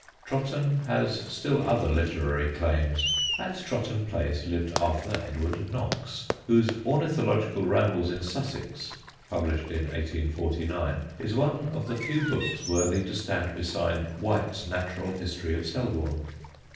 Trotton has still other literary claims. At Trotton Place lived Arthur Edward Knox, whose Ornithological Rambles in Sussex, published in 1849, is one of the few books worthy to stand beside White's Natural History of Selborne.